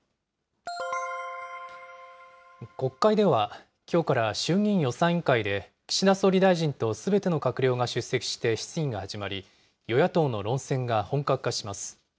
国会ではきょうから衆議院予算委員会で、岸田総理大臣とすべての閣僚が出席して質疑が始まり、与野党の論戦が本格化します。